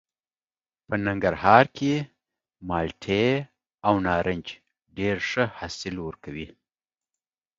په ننګرهار کې مالټې او نارنج ډېر ښه حاصل ورکوي.